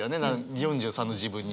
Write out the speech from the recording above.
４３の自分に。